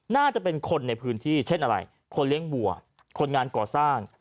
น่าจะเป็นคนในพื้นที่เช่นอะไรคนเลี้ยงวัวคนงานก่อสร้าง